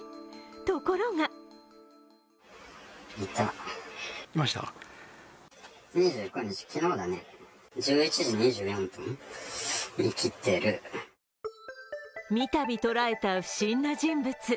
ところが三たび捉えた不審な人物。